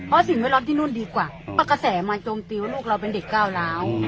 เพราะสิ่งแวดล้อมที่นู่นดีกว่าเพราะกระแสมาโจมตีว่าลูกเราเป็นเด็กก้าวร้าว